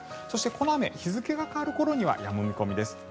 そしてこの雨日付が変わる頃にはやむ見込みです。